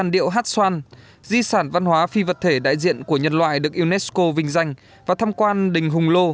đại diện của nhân loại được unesco vinh danh và tham quan đình hùng lô